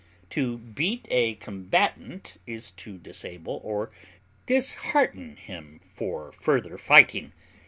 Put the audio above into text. To beat a combatant is to disable or dishearten him for further fighting.